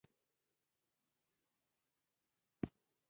بوټونه کله له خاص برانډ وي.